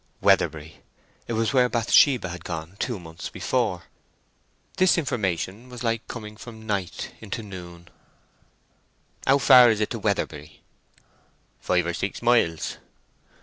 Weatherbury! It was where Bathsheba had gone two months before. This information was like coming from night into noon. "How far is it to Weatherbury?" "Five or six miles."